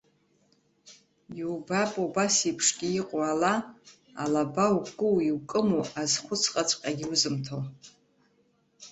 Иубап убас еиԥшгьы иҟоу ала, алаба уку, иукыму азхәыцхаҵәҟьагьы узымҭо.